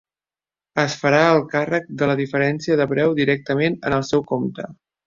Es farà el càrrec de la diferència de preu directament en el seu compte.